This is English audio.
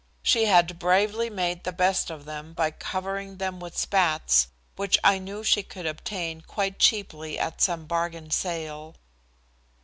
She had bravely made the best of them by covering them with spats, which I knew she could obtain quite cheaply at some bargain sale.